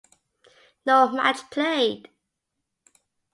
No match played.